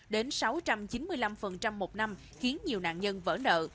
đến sáu trăm chín mươi năm một năm khiến nhiều nạn nhân vỡ nợ